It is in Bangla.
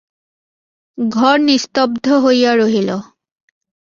ঘর নিস্তব্ধ হইয়া রহিল।